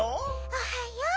おはよう！